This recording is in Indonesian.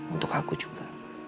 untuk aku juga